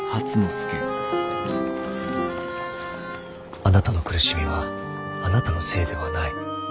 あなたの苦しみはあなたのせいではない。